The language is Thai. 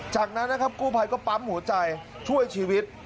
จากนั้นกู้ไพรก็ปั๊มหัวใจช่วยชีวิต